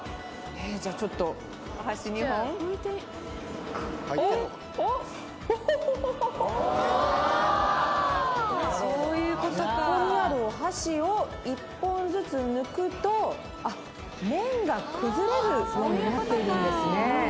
じゃあちょっとお箸２本おっおっおほほほほここにあるお箸を１本ずつ抜くと麺が崩れるようになっているんですね